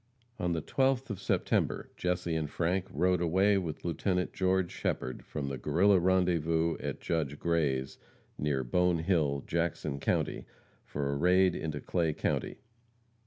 On the 12th of September Jesse and Frank rode away with Lieutenant George Shepherd, from the Guerrilla rendezvous at Judge Gray's, near Bone Hill, Jackson county, for a raid into Clay county.